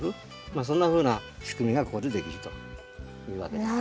まあそんなふうな仕組みがここでできるというわけです。